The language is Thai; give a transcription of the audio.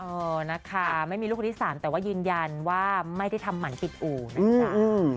เออนะคะไม่มีลูกคนที่สามแต่ว่ายืนยันว่าไม่ได้ทำหมันปิดอู่นะจ๊ะ